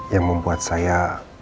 yang membuat saya